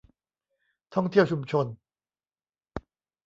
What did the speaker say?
ท่องเที่ยวชุมชน